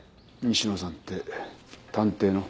西野さんって探偵の？